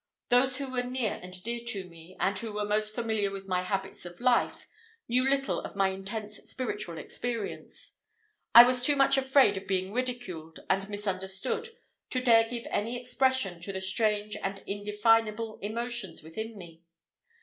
Those who were near and dear to me, and who were most familiar with my habits of life, knew little of my intense spiritual experience. I was too much afraid of being ridiculed and misunderstood to dare give any expression to the strange and indefinable emotions within me.